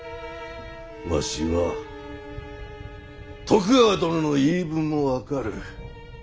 わしは徳川殿の言い分も分かる。